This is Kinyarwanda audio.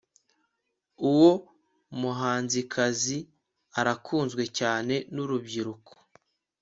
Uwo muhanzikazi arakunzwe cyane nurubyiruko